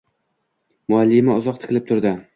Muallima uzoq tikilib turdi.